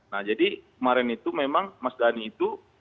nah jadi kemarin itu memang mas dhani itu